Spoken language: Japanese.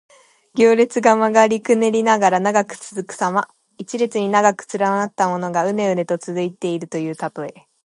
行列が曲がりくねりながら長く続くさま。一列に長く連なったものが、うねうねと続いているというたとえ。